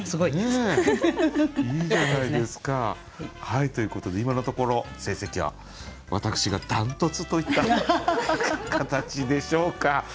いいじゃないですか。ということで今のところ成績は私がダントツといった形でしょうか。